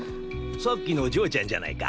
さっきの嬢ちゃんじゃないか。